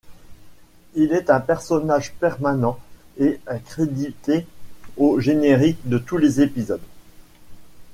Il est un personnage permanent et est crédité au générique de tous les épisodes.